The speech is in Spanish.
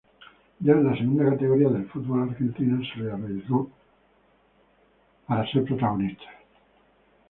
Ya en la segunda categoría del fútbol argentino, se las arregló para ser protagonista.